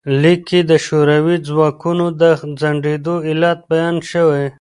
لیک کې د شوروي ځواکونو د ځنډیدو علت بیان شوی.